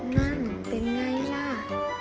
นั่นเป็นไงล่ะ